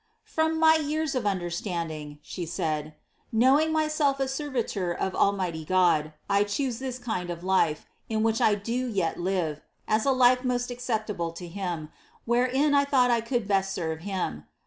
Frnm my years of uiulersiandiiig," slie said, •^knowing myself a servitor of A.T;ii:tity GckJ, I chu«ie ihia kind of life, in which I do yit live, ns u life nio?t iirfprable to him, wherein 1 thought I coidd best serve him.